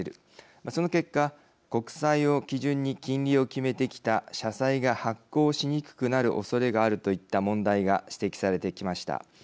その結果国債を基準に金利を決めてきた社債が発行しにくくなるおそれがあるといった問題が指摘されてきました。